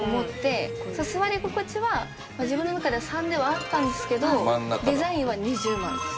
座り心地は自分の中では３ではあったんですけどデザインは二重丸です。